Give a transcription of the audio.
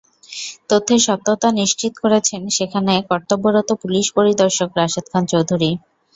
তথ্যের সত্যতা নিশ্চিত করেছেন সেখান কর্তব্যরত পুলিশ পরিদর্শক রাশেদ খান চৌধুরী।